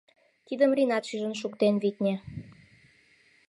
Тидым Ринат шижын шуктен, витне.